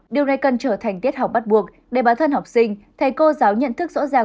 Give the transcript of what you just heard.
điều này cần trở thành tiết học bắt buộc để bản thân học sinh thầy cô giáo nhận thức rõ ràng